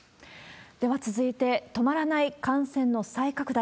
では続いて、止まらない感染の再拡大。